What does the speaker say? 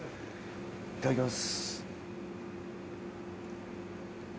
いただきます。